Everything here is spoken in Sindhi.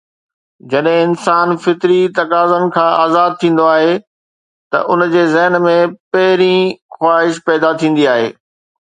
جڏهن انسان فطري تقاضائن کان آزاد ٿيندو آهي ته ان جي ذهن ۾ پهرين خواهش پيدا ٿيندي آهي.